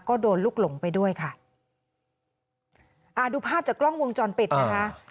ก็โดนลูกหลงไปด้วยค่ะอ่าดูภาพจากกล้องวงจรปิดนะคะ